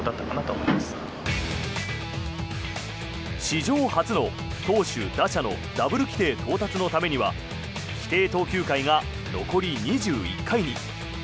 史上初の投手・打者のダブル規定到達のためには規定投球回が残り２１回に。